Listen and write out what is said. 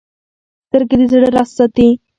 سترګې د زړه راز ساتي